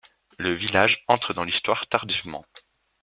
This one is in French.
Le village entre dans l’Histoire tardivement.